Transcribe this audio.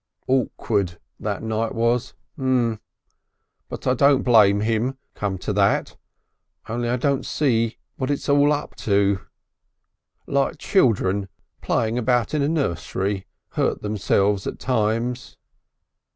Awkward that night was.... M'mm.... But I don't blame him come to that. Only I don't see what it's all up to.... "Like children playing about in a nursery. Hurt themselves at times....